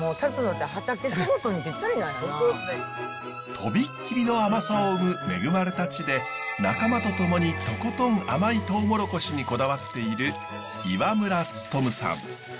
飛びっ切りの甘さを生む恵まれた地で仲間と共にとことん甘いトウモロコシにこだわっている岩村勉さん。